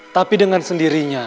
tapi dengan sendirinya